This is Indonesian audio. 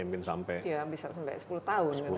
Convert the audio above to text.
bisa sampai sepuluh tahun